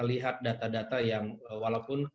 lihat data data yang walaupun